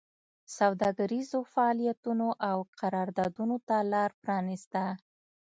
سوداګریزو فعالیتونو او قراردادونو ته لار پرانېسته